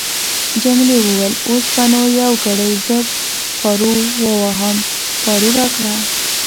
جميلې وويل:: اوس به نو یو ګړی زه پارو وواهم، پارو راکړه.